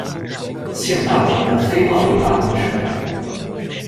性罢工的非暴力罢工手段。